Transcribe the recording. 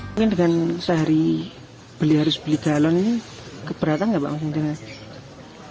mungkin dengan sehari harus beli galon ini keberatan nggak pak